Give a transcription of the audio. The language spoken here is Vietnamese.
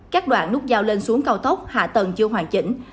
các đoạn nút giao lên xuống cao tốc hạ tầng chưa hoàn chỉnh